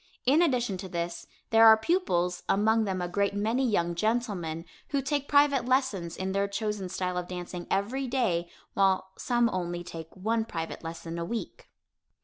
In addition to this, there are pupils, among them a great many young gentlemen, who take private lessons in their chosen style of dancing every day while some only take one private lesson a week.